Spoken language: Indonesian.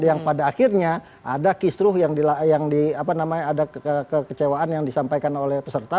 yang pada akhirnya ada kekecewaan yang disampaikan oleh peserta